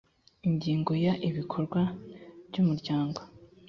ingingo ya ibikorwa by umuryango